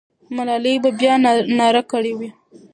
ملالۍ به بیا ناره کړې وه.